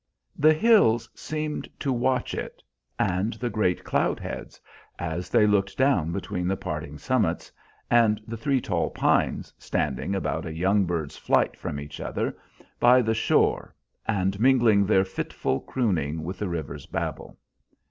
The hills seemed to watch it, and the great cloud heads as they looked down between the parting summits, and the three tall pines, standing about a young bird's flight from each other by the shore and mingling their fitful crooning with the river's babble.